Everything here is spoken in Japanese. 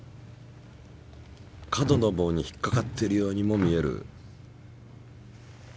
角の棒に引っかかっているようにも見える。